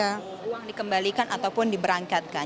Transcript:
uang dikembalikan ataupun diberangkatkan